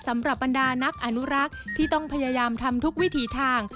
สำหรับบรรดานักอนุรักษ์ที่ต้องพยายามทำทุกวิถีทาง